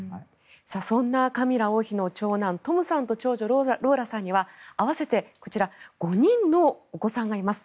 そんなカミラ王妃の長男トムさんと長女のローラさんには合わせて５人のお子さんがいます。